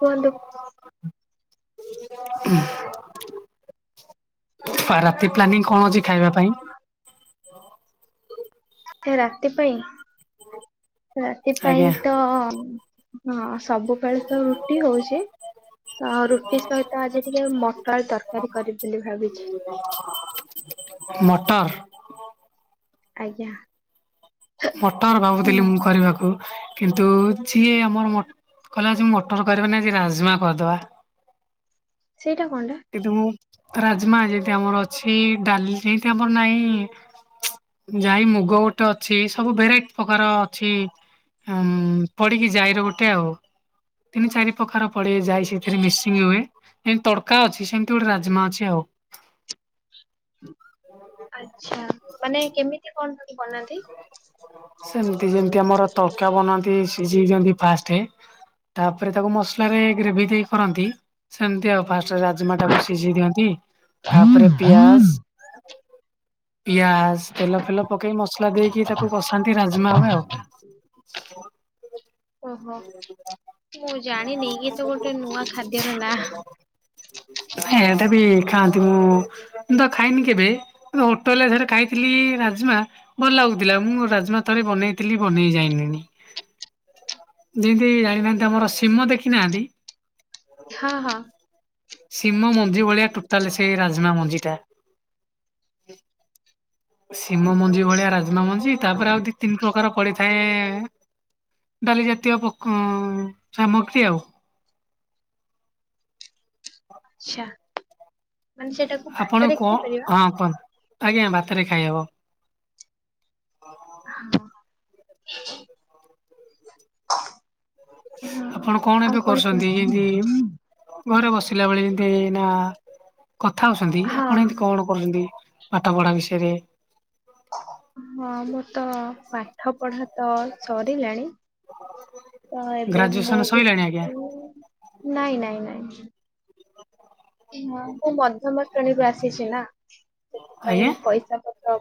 କହନ୍ତୁ? ହୁଁ ରାତି ପ୍ଲାନିଂ କଣ ଅଛି ଖାଇବା ପାଇଁ? ସେ ରାତି ପାଇଁ ରାତି ପାଇଁ ଆଜ୍ଞା ତ ହଁ, ସବୁବେଳେ ତ ରୁଟି ହଉଚି। ତ ରୁଟି ସହିତ ଆଜି ଟିକେ ମଟର ତରକାରୀ କରିବି ବୋଲି ଭାବିଛି। ମଟର୍? ଆଜ୍ଞା। ମଟର୍ ହୁଁ ଭାବୁଥିଲି ମୁଁ କରିବାକୁ କିନ୍ତୁ [unintelligible] ଆମର [inaudible] କହିଲା ଆଜି ମଟର କରିବାନି ଆଜି ରାଜ୍ମା କରିଦବା। ସେଇଟା କଣଟା? କିନ୍ତୁ ମୁଁ ରାଜ୍ମା ଯେନ୍ତି ଆମର ଅଛି ଡାଲି ଯେନ୍ତି ଆମର ନାହିଁ ଜାଇ ମୁଗ ଗୋଟେ ଅଛି, ସବୁ ଭେରାଇଟ୍ ପକାର ଅଛି। ଅମ୍ ପଡିକି ଜାଇର ଗୋଟେ ଆଉ। ତିନି ଚାରି ପକାର ପଡେ ଜାଇ ସେଥିରେ ମିସିଙ୍ଗ ହୁଏ, ଜେନ୍ତି ତଡ୍ କା ଅଛି, ସେମ୍ତି ଗୋଟେ ରାଜ୍ମା ଅଛି ଆଉ। ଆଚ୍ଛା ମାନେ କେମିତି କଣ କରି ବନାନ୍ତି? ସେମ୍ତି ଯେମ୍ତି ଆମର ତଡକା ବନାନ୍ତି ସିଝେଇ ଦିଅନ୍ତି ଫାଷ୍ଟେ ତାପରେ ତାକୁ ମସଲା ରେ ଗ୍ରେଭି ଦେଇ କରନ୍ତି, ସେମ୍ତି ଆଉ ଫାଷ୍ଟରେ ରାଜ୍ ମାଟାକୁ ସିଝେଇ ଦିଅନ୍ତି, ତାପରେ ପିଆଜ୍-ପିଆଜ୍ ତେଲ ଫେଲ ପକେଇ ମସଲା ଦେଇକି ତାକୁ କସାନ୍ତି ରାଜ୍ମା ଭବେ ଆଉ। ଓହୋ ମୁଁ ଜାଣିନି ଇଏ ତ ଗୋଟେ ନୂଆ ଖାଦ୍ୟର ନାଁ ଏ ଏଟାବି ଖାଆନ୍ତି ମୁଁ ମୁଁ ତ ଖାଇନି କେବେ ହୋଟେଲ୍ ରେ ଥରେ ଖାଇଥିଲି ରାଜ୍ମା ଭଲ୍ ଲାଗୁଥିଲା, ମୁଁ ରାଜ୍ମା ଥରେ ବନେଇଥିଲି, ବନେଇ [unintelligible] ଯେନ୍ତି ଜାଣିନାହାନ୍ତି, ଆମର ସିମ ଦେଖିନାହାନ୍ତି? ହଁ-ହଁ। ସିମ ମଞ୍ଜି ଭଳିଆ ଟୁଟାଲେ ସେଇ ରାଜ୍ମା ମଞ୍ଜିଟା। ଶିମ ମଞ୍ଜି ଭଳିଆ ରାଜ୍ମା ମଞ୍ଜି, ତାପରେ ଆଉ ଦି ତିନି ପ୍ରକାର ପଡିଥାଏ ଡାଲି ଜାତୀୟ ପ ସାମଗ୍ରୀ ଆଉ। ଆଚ୍ଛା। ମାନେ ସେଟାକୁ ଆପଣ ଭାତରେ କଣ ଖାଇପାରିବା ହଁ କୁହନ୍ତୁ, ଆଜ୍ଞା ଭାତେରେ ଖାଇହବ। ହଁ ହଁ ଆପଣ ଏବେ ଆଉ କଣ କରୁଛନ୍ତି ଯେମିତି କୁହନ୍ତୁ। ଘରେ ବସିଲା ବେଳେ ଏନ୍ତି ନା କଥା ହଉଚନ୍ତି ଆପଣ ଏନ୍ତି ହଁ କଣ କରୁଚନ୍ତି ପାଠପଢା ବିଷୟରେ? ହଁ ମୁଁ ତ ପାଠପଢା ତ ସରିଲାଣି ତ ଏବେ ମୁଁ ଗ୍ରାଜୁଏସନ ସଇଲାଣି ଆଜ୍ଞା କିଛି ନାଇଁ-ନାଇଁ-ନାଇଁ। ହଁ ମୁଁ ମଧ୍ୟମ ଶ୍ରେଣୀରୁୁ ଆସିଛି ନା, ଆଜ୍ଞା ସେଥିପାଇଁ ପଇସା ପତ୍ର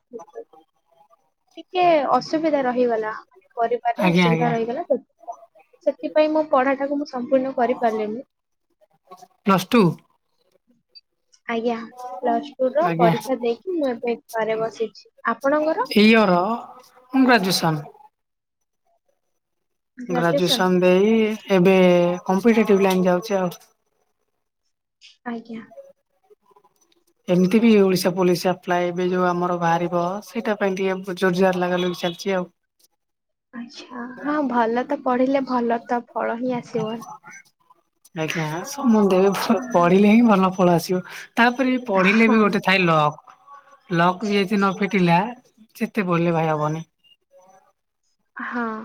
ଟିକେ ଅସୁବିଧା ରହିଗଲା। ପରିବାରରେ ଆଜ୍ଞା ଅସୁବିଧା ଆଜ୍ଞା ରହିଗଲା, ସେଥିପାଇଁ-ସେଥିପାଇଁ ମୋ ପଢାଟାକୁ ମୁଁ ସମ୍ପୂର୍ଣ୍ଣ କରିପାରିଲିିନି। Plus two? ଆଜ୍ଞା, ପ୍ଲସଟୁ ର ଆଜ୍ଞା ପରୀକ୍ଷା ଦେଇକି ମୁଁ ଏବେ ଘରେ ବସିଛି। ଆପଣଙ୍କର ଏଇ ଇଅର ମୁଁ ଗ୍ରାଜୁଏସନ୍। ଗ୍ରାଜୁଏସନ ଗ୍ରାଜୁଏସନ୍ ଦେଇ ଏବେ କମ୍ପେଟିଟିଭ୍ ଲାଇନ୍ ଯାଉଚି ଆଉ। ଆଜ୍ଞା। ଏମ୍ତି ବି ଓଡିଶା ପୋଲିସ୍ ଆପ୍ଲାଏ ଏବେ ଯୋଉ ଆମର ବାହାରିବ ସେଇଟା ପାଇଁ ଟିକେ ଜୋର ଯାର୍ ଲାଗା ଲଗି ଚାଲ୍ଚି ଆଉ। ଆଚ୍ଛା ହଁ ଭଲ ତ ପଢିଲେ ଭଲ ତବ୍ [unintelligible] ଆଜ୍ଞା ସମୁଦେୟେ ଫୁ ପଢିଲେ ହିଁ ଭଲ ଫଳ ଆସିବ ତାପରେ। ପଢିଲେ ବି ହଁ ଗୋଟେ ଥାଏ ଲକ। ଲକ୍ ବି ଏଯି ନ ଫିଟିଲା ଯେତେ ପଢୀଲେ ଭାଇ ହବନି। ହଁ।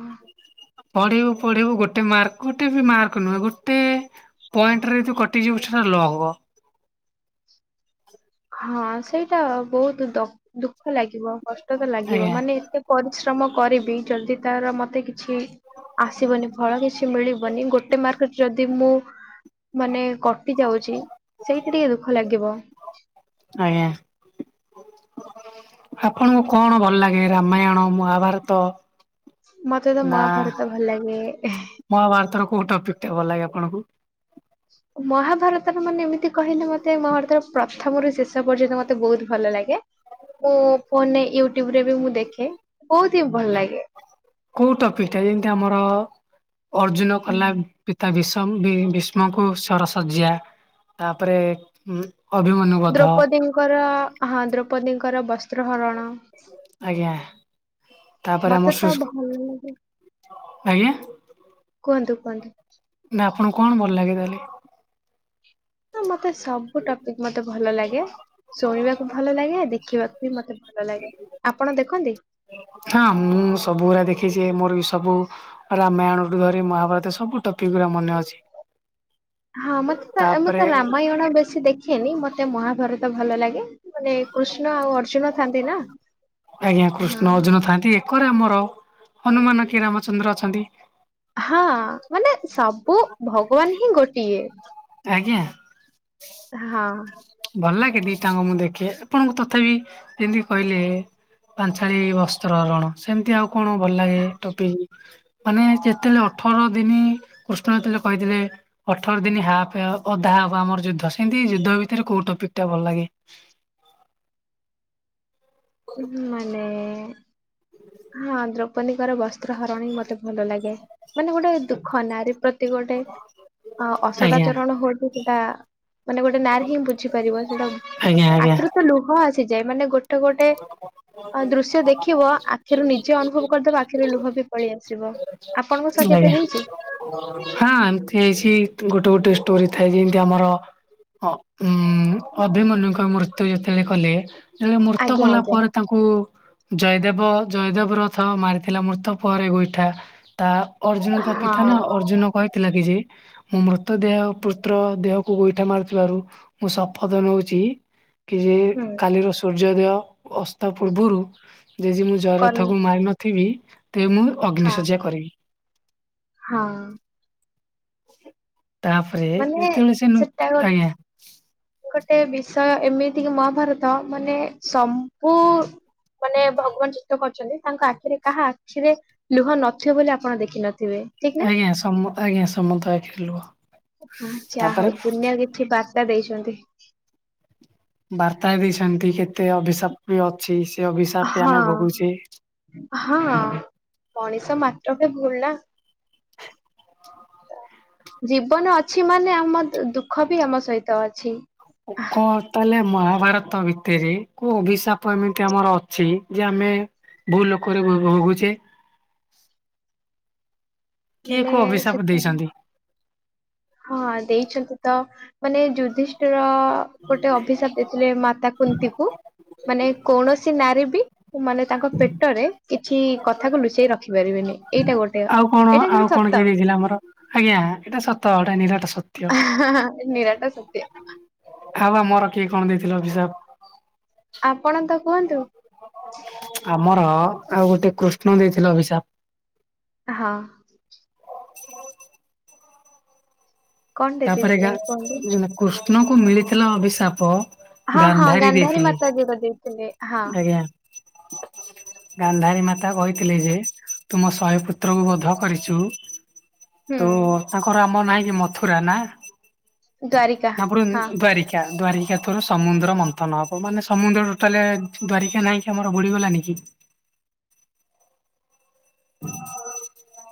ପଢିବୁ ପଢିବୁ ଗୋଟେ ମାର୍କ ଗୋଟେ ବି ମାର୍କ ନୁହେଁ ଗୋଟେ ପଏଣ୍ଟରେ ତୁ କଟିଯିବୁ ସେଟା ଲ ହବ। ହଁ ସେଇଟା ବହୁତ୍ ଦ ଦୁଃଖ ଲାଗିବ କଷ୍ଟ ତ ଲାଗିବ ଆଜ୍ଞା ମାନେ ଏତେ ପରିଶ୍ରମ କରିବି ଜଲ୍ଦି ତାର ମତେ କିଛି ଆସିବନି ଫଳ କିଛି ମିଳିବନି ଗୋଟେ ମାର୍କଟ୍ ଯଦି ମୁଁ ମାନେ କ କଟି ଯାଉଛି ସେଇଠି ଟିକେ ଦୁଃଖ ଲାଗିବ। ଆଜ୍ଞା। ଆପଣଙ୍କୁ କଣ ଭଲ୍ ଲାଗେ ରାମାୟଣ ମହାଭାରତ। ମତେ ତ ନା ମହାଭାରତ ଭଲ୍ ଲାଗେ ଏ ହେଁ। ମହାଭାରତର କୋଉ ଟପିକ୍ ଟା ଭଲ ଲାଗେ ଆପଣଙ୍କୁ? ମହାଭାରତର ମାନେ ଏମିତି କହିଲେ ମତେ ମହାଭାରତର ପ୍ରଥମରୁ ଶେଷ ପର୍ଯ୍ୟନ୍ତ ମତେ ବହୁତ୍ ଭଲ ଲାଗେ। ମୁଁ ଫୋନରେ ୟୁଟ୍ୟୁବ ରେ ବି ମୁଁ ଦେଖେ ବହୁତ୍ ହିଁ ଭଲ ଲାଗେ। କୋଉ ଟପିକ୍ ଟା ଯେମିତି ଆମର ଅର୍ଜୁନ ହୁଁ। କଲା ମ୍ ପିତା ଭିଷମ୍ ଭି ଭୀଷ୍ମଙ୍କୁ ସରସଯ୍ୟା ତାପରେ ଉଁ ଅଭିମନ୍ୟୁ। ବଧ ଦ୍ରୋପତିଙ୍କର ହଁ ଦ୍ରୌପତିଙ୍କର ବସ୍ତ୍ର ହରଣ। ଆଜ୍ଞା ତାପରେ ମତେ ଆମର ତ ସୁଷ୍ଟି ଭଲ ଲାଗେ ଆଜ୍ଞା। କୁହନ୍ତୁ କୁହନ୍ତୁ। ନା ଆପୁଣୁଙ୍କୁ କଣ ଭଲ୍ ଲାଗେ ତାହେଲେ। ହଁ ମତେ ସବୁ ଟପିକ୍ ମତେ ଭଲ ଲାଗେ ଶୁଣିବାକୁ ଭଲ ଲାଗେ ଦେଖିବାକୁ ବି ମତେ ଭଲ ଲାଗେ ଆପଣ ଦେଖନ୍ତି। ହଁ ମୁଁ ସବୁଗୁରା ଦେଖିଛି ମୋର ବି ସବୁ ରାମାୟଣଠୁ ଧରି ମହାଭାରତ ସବୁ ଟକିକ୍ ଗୁରା ମନେ ଅଛି। ହଁ ମତେ ତ ତାପରେ ଏମେତ ରାମାୟଣ ବେଶୀ ଦେଖେନି ମତେ ମହାଭାରତ ଭଲ ଲାଗେ। ମାନେ କୃଷ୍ଣ ଆଉ ଅର୍ଜୁନ ଥାନ୍ତି ନା ନାଇଁ। କରାମର ହନୁମାନ କି ରାମଚନ୍ଦ୍ର ଅଛନ୍ତି। ହଁ ମାନେ ସବୁ ଭଗବାନ୍ ହିଁ ଗୋଟିଏ। ଆଜ୍ଞା। ହଁ। ଭଲ୍ ଲାଗେ ଦିଟାଙ୍କ ମୁଁ ଦେଖେ ଆପଣଙ୍କୁ ତଥାପି ଯେମିତି କହିଇଲେ। ପାଞ୍ଚାଳୀ ବସ୍ତ୍ର ହରଣ ସେମ୍ତି ଆଉ କଣ ଭଲ୍ ଲାଗେ ଟପିକ୍। ମାନେ ଯେତେବେଳେ ଅଠର ଦିନି କୃଷ୍ଣ ଯେତେବେଳେ କହିଥିଲେ। ଅଠର ଦିନ୍ ହାପ୍ ଅଧା ହବ ଆମର ଯୁଦ୍ଧ ସେମିତି ଯୁଦ୍ଧ ଭିତରେ କୋଉ ଟପିକ୍ ଟା ଭଲ୍ ଲାଗେ। ଉଁ ମାନେ। ହଁ ଦ୍ରୌପଦୀଙ୍କର ବସ୍ତ୍ର ହରଣ ହିଁ ମତେ ଭଲ ଲାଗେ ମାନେ ଗୋଟେ ଦୁଃଖ ନାରୀ ପ୍ରତ୍ ପ୍ରତି ଗୋଟେ ଅ ଆଜ୍ଞା ଅସଦାଚରଣ ହୁଏକି ସେଟା ମାନେ ଗୋଟେ ନାରୀ ହିଁ ବୁଝିପାରିବ ସେଇଟା ବୁ ଆଜ୍ଞା ଆଜ୍ଞା ଆଖିରୁ ତ ଲୁହ ଆସିଯାଏ ମାନେ ଗୋଟ ଗୋଟେ ଗୋଟେ ଦୃଶ୍ୟ ଦେଖିବ ଆଖିରୁ ନିଜେ ଅନୁଭବ କରିଦବ ଆଖିରୁ ଲୁହ ବି ପଳେଇ ଆସିବ। ଆପଣଙ୍କ ସହ କେବେ ଆଜ୍ଞା ହେଇଛି? ହଁ ଏମତି ହେଇଛି ଗୋଟେ ଗୋଟେ ଷ୍ଟୋରି ଥାଏ ଯେମିତି ଆମର ଅ ଉଁ ଅଭିମନ୍ୟୁଙ୍କ ମୃତ୍ୟୁ ଯେତେବେଳେ କଲେ ତାଙ୍କ ମୃତ ଆଜ୍ଞା କଲା ଆଜ୍ଞା ପରେ ତାଙ୍କୁ କୁ ଜୟଦେବ ଜୟଦେବ ରଥ ମାରିଥିଲା ମୃତ ପରେ ଗୋଇଠା ତା ଅର୍ଜୁନ ତା ପିତା ହଁ ନା ଅର୍ଜୁନ କହିଥିଲା କି ଯେ ମଁ ମୃତ ଦେହ ପୁତ୍ର ଦେହକୁ ଗୋଇଠା ମାରୁଥିବାରୁ ମୁଁ ଶପଥ ନଉଛି କି ଯେ ହୁଁ କାଲିର ସୂର୍ଯ୍ୟୋଦୟ ଅସ୍ତ ପୂର୍ବରୁ ଯେ ଯ ମୁଁ କର୍ଣ୍ଣ ଜୟରଥକୁଙ୍କୁ ମାରିନଥ ଥିବି ତେବେ ମୁଁ ହଁ ଅଗ୍ନିଶଯ୍ୟା କରିବି। ହଁ। ତାପରେ ମାନେ ଯେତେବେଳେ ସେ ନୁତ୍ ସେଟା ଗୋଟେ ଆଜ୍ଞା। ଗୋଟେ ବିଷୟ ଏମିତି କି ମହାଭାରତ ମାନେ ସବୁ ମାନେ ଭଗବାନ ଚିତତ କରିଛନ୍ତି ତାଙ୍କ ଆଖିରେ କାହା ଆଖିରେ ଲୁହ ନଥିବ ବୋଲି ଆପଣ ଦେଖିନଥିବେ। ଠିକ ନା ଆଜ୍ଞା ସମ ଆଜ୍ଞା ସମସ୍ତ ଙ୍କ ଆଖିରେ ଲୁହ। ଆଛା ହଉ ତାପରେ ଦୁନିଆ କିଛି ବାର୍ତ୍ତା ଦେଇଛନ୍ତି। ବାର୍ତ୍ତା ଦେଇଛନ୍ତି କେତେ ଅଭିଶାପ ବି ଅଛି ସେ ଅଭିଶାପ ବି ହଁ ଆମେ ଭୋଗୁଛେ। ହଁ ମଣିଷ ମାତ୍ରକେ ଭୁଲ ନା। ଜୀବନ ଅଛି ମାନେ ଆମ ଦୁଃଖ ବି ଆମ ସହିତ ଅଛି। କନ୍। ତାହେଲେ ମହାଭାରତ ଭିତରେ କୋଉ ଅଭିଶାପ ଏମିତି ଆମର ଅଛି ଯେ ଆମେ ଭୂ ଲୋକରେ ଭୋ ଭୋଗୁଛେ। କିଏ ମାନେ କଉ ଅଭିଶାପ ସେ ଦେଇଛନ୍ତି? ହଁ ଦେଇଛନ୍ତି ତ ମାନେ ଯୁ ଯୁଦ୍ଧିଷ୍ଟର ଗୋଟେ ଅଭିଶାପ ଦେଇଥିଲେ ମାତା କୁନ୍ତି କୁ। ମାନେ କୌଣସି ନାରୀ ବି ମାନେ ତାଙ୍କ ପେଟରେ କିଛି କଥାକୁ ଲୁଚେଇ ରଖି ପାରିବିନି ଏଇଟା ଗୋଟେ। ଆଉ କଣ ଏଇଟା ଆଉ କିନ୍ତୁ କଣ ସତ କିଏ ଦେଇଛି? ଆମର। ଆଜ୍ଞା ଏଇଟା ସତ କଥା ନିରାଟ ସତ। ନିରାଟ ସତ। ଆ ବା ମୋର କିଏ କଣ ଦେଇଥିଲ ଅଭିଶାପ। ଆପଣ ତ କୁହନ୍ତୁ। ଆମର ଆଉ ଗୋଟେ କୃଷ୍ଣ ଦେଇଥିଲେ ଅଭିିଶାପ। ହଁ। ହୁଁ କଣଟେ ତାପରେ ଗା ଦେଇଥିଲେ କୁହନ୍ତୁ ଯୋଉ କୃଷ୍ଣଙ୍କୁ ମିଳିଥିଲା ଅଭିଶାପ ହଁ ହଁ ଗାନ୍ଧାରୀ ମାତା ଯୀ ବ ଦେଇେଥିଲେ। ଆଜ୍ଞା। ଗାନ୍ଧାରୀ ମାତା କହିଥିଲେ ଯେ ତୁ ମୋ ଶହେ ପୁତ୍ରକୁ ବୋଧ କରିଛୁ। ହୁଁ ତ ତାଙ୍କର ଆମ ନାଇଁ କି ମଥୁରା ନା ଦ୍ଵାରିକା ଆପର ହଁ ଦାରିକ [unintelligible] ଦ୍ଵାରିକା ତୋର ସମୁଦ୍ର ମନ୍ଥନ ହବ ମାନେ ସମୁଦ୍ର ଟୋଟାଲ ଦ୍ୱାରିକା ନହିଁ କି ଆମର ବୁଡିଗଲାଣନି କି। [unintelligible]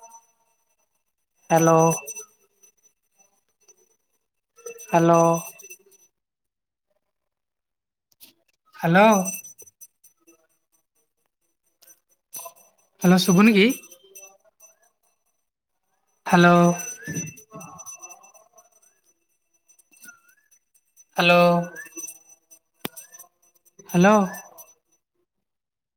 ହ୍ୟାଲୋ। ହ୍ୟାଲୋ। ହ୍ୟାଲୋ। ହ୍ୟାଲୋ ଶୁଭୁନି କି? ହ୍ୟାଲୋ। ହ୍ୟାଲୋ। ହାଲୋ।